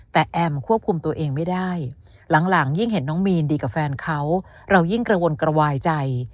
แต่แอมควบคุมตัวเองไม่ได้หลังยิ่งเห็นน้องมีนดีกับแฟนเขาเรายิ่งกระวนกระวายใจ